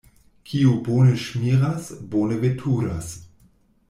Kiu bone ŝmiras, bone veturas.